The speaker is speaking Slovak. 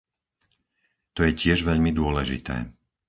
To je tiež veľmi dôležité.